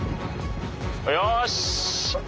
よし！